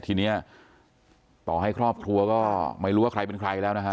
ทีนี้ต่อให้ครอบครัวก็ไม่รู้ว่าใครเป็นใครแล้วนะฮะ